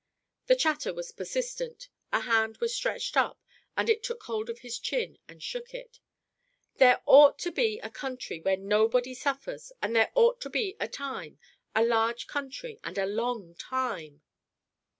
The chatter was persistent. A hand was stretched up, and it took hold of his chin and shook it: "There ought to be a country where nobody suffers and there ought to be a time; a large country and a long time."